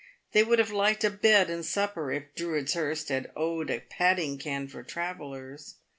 They would have liked a bed and supper, if Drudeshurst had owned a padding ken for travellers.